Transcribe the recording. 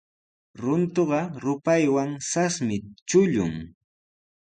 Runtuqa rupaywan sasmi chullun.